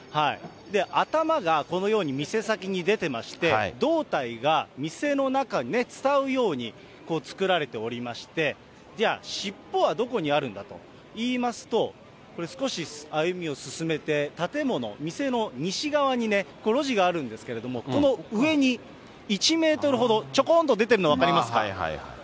頭がこのように店先に出てまして、胴体が店の中を伝うように作られておりまして、じゃあ尻尾はどこにあるんだといいますと、これ、少し歩みを進めて、建物、店の西側にね、路地があるんですけれども、この上に１メートルほど、ちょこんと出てるの分かりますかね。